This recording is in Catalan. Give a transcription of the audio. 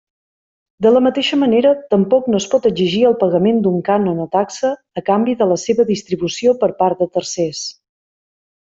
De la mateixa manera, tampoc no es pot exigir el pagament d'un cànon o taxa a canvi de la seva distribució per part de tercers.